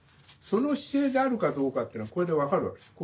その姿勢であるかどうかっていうのはこれで分かるわけ。